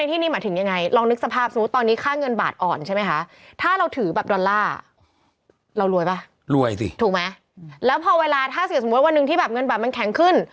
ที่แบบเงินบาทมันแข็งขึ้น